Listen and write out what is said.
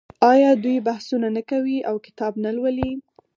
آیا دوی بحثونه نه کوي او کتاب نه لوالي؟